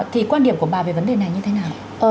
thì quan điểm của bà về vấn đề này như thế nào ạ